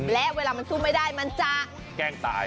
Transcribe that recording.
และเวลามันสู้ไม่ได้มันจะแกล้งตาย